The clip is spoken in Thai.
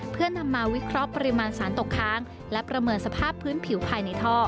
เพื่อนำมาวิเคราะห์ปริมาณสารตกค้างและประเมินสภาพพื้นผิวภายในท่อ